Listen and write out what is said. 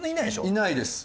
いないです。